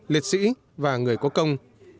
liệt sĩ và người có công